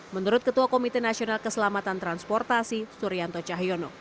menurut ketua komite nasional keselamatan transportasi suryanto cahyono